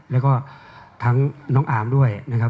และก็ทั้งน้องอ่ามด้วย